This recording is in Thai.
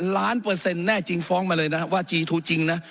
ล้านเปอร์เซ็นต์แน่จริงฟ้องมาเลยนะว่าจีทูจริงนะ